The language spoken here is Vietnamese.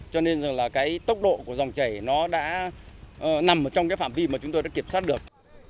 cho nên là cái tốc độ của dòng chảy nó đã nằm trong cái phạm vi mà chúng tôi đã kiểm soát được